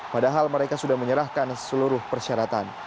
padahal mereka sudah menyerahkan seluruh persyaratan